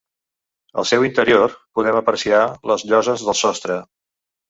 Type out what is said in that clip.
Al seu interior podem apreciar les lloses del sostre.